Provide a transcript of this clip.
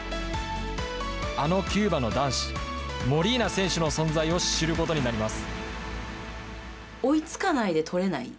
あのキューバの男子、モリーナ選手の存在を知ることになります。